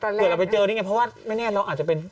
ที่จะเกิดว่าเราไปเจอนั่นไงเพราะว่าแม่แน่นเราอาจจะเป็น